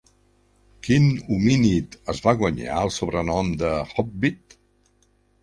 Quin homínid es va guanyar el sobrenom, de "hòbbit"?